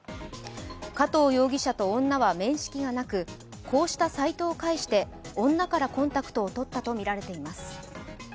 加藤容疑者と女は面識がなくこうしたサイトを介して女からコンタクトを取ったとみられています。